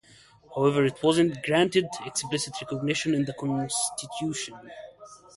However it was not granted explicit recognition in the Constitution.